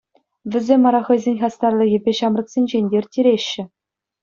Вӗсем ара хӑйсен хастарлӑхӗпе ҫамрӑксенчен те ирттереҫҫӗ.